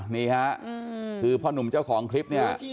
นี่ฮะคือพ่อหนุ่มเจ้าของคลิปเนี่ย